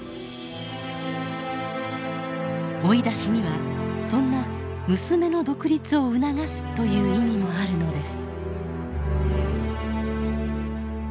追い出しにはそんな娘の独立を促すという意味もあるのです。